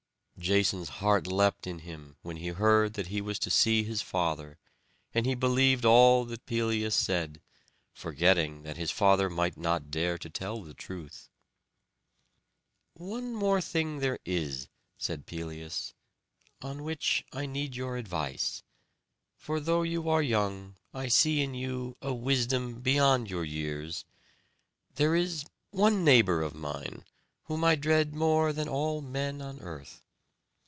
Jason's heart leapt in him, when he heard that he was to see his father; and he believed all that Pelias said, forgetting that his father might not dare to tell the truth. "One thing more there is," said Pelias, "on which I need your advice; for though you are young, I see in you a wisdom beyond your years. There is one neighbour of mine, whom I dread more than all men on earth.